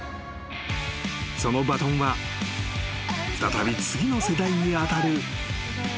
［そのバトンは再び次の世代に当たる］